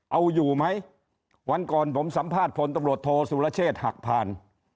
เอาอยู่ไหมวันก่อนผมสัมภาษณ์พลตำรวจโทษสุรเชษฐ์หักผ่าน